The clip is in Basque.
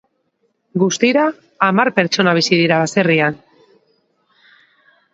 Guztira, hamar pertsona bizi dira baserrian.